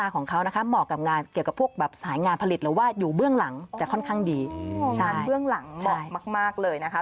ค่อนข้างดีงานเบื้องหลังเหมาะมากเลยนะคะ